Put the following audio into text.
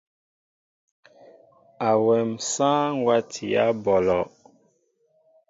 Awém sááŋ watiyă ɓɔlɔ.